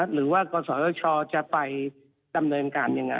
หรือว่ากศชจะไปดำเนินการยังไง